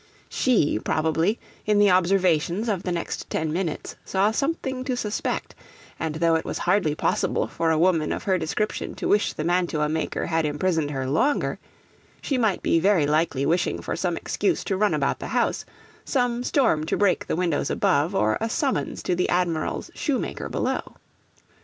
She, probably, in the observations of the next ten minutes saw something to suspect; and though it was hardly possible for a woman of her description to wish the mantua maker had imprisoned her longer, she might be very likely wishing for some excuse to run about the house, some storm to break the windows above, or a summons to the Admiral's shoemaker below.